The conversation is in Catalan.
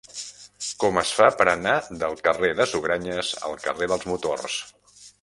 Com es fa per anar del carrer de Sugranyes al carrer dels Motors?